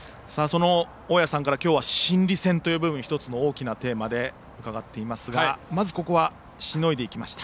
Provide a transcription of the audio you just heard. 大矢さんから今日は心理戦という部分１つの大きなテーマだと伺っていますがまずここはしのいでいきました。